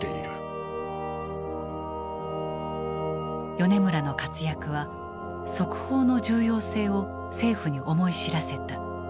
米村の活躍は速報の重要性を政府に思い知らせた。